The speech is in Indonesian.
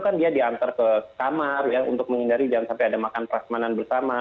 kan dia diantar ke kamar ya untuk menghindari jangan sampai ada makan perasmanan bersama